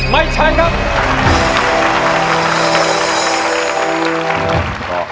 ไม่ใช่ค่ะไม่ใช่ครับ